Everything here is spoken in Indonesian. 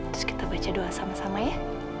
terus kita baca doa sama sama ya